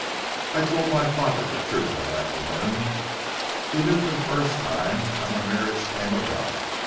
I told my father the truth that afternoon. He knew for the first time how my marriage came about.